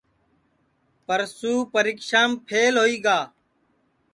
پرسو پریکشام پھیل ہوئی گا